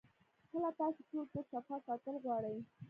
کۀ تاسو ټول کور صفا ساتل غواړئ